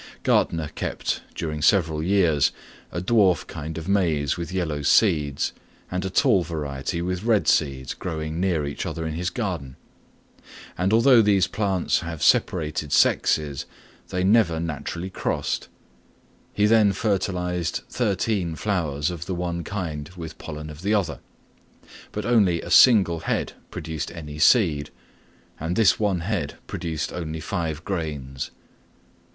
Gärtner kept, during several years, a dwarf kind of maize with yellow seeds, and a tall variety with red seeds growing near each other in his garden; and although these plants have separated sexes, they never naturally crossed. He then fertilised thirteen flowers of the one kind with pollen of the other; but only a single head produced any seed, and this one head produced only five grains.